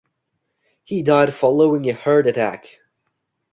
He died following a heart attack.